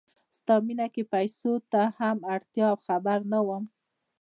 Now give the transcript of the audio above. ستا مینه کې پیسو ته هم اړتیا وه خبر نه وم